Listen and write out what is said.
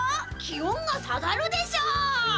「気温が下がるでしょう」。